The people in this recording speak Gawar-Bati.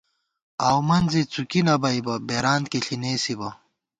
آؤو منزےڅُوکی نہ بَئیبہ، بېرانت کی ݪِی نېسِبہ